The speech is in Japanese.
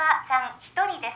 一人です